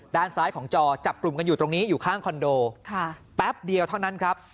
ด้านซ้ายของจอจับกลุ่มกันอยู่ตรงนี้อยู่ข้างคอนโดแป๊บเดียวเท่านั้นครับ